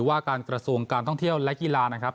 ว่าการกระทรวงการท่องเที่ยวและกีฬานะครับ